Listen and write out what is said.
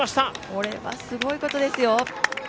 これはすごいことですよ